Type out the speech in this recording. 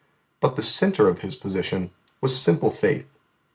But the centre of His position was simple faith.